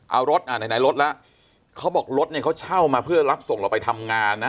เอารถอ่าไหนรถแล้วเขาบอกรถเนี่ยเขาเช่ามาเพื่อรับส่งเราไปทำงานนะ